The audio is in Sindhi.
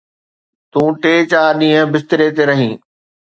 تون ٽي چار ڏينهن بستري تي رهين.